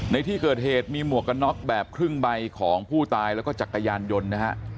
ในที่เกิดเหตุมีหมวกกันน็อกแบบครึ่งใบของผู้ตายแล้วก็จักรยานยนต์นะฮะ